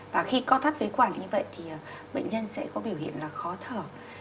và khi co thắt phế quản thì như vậy thì bệnh nhân sẽ có biểu hiện là khó thở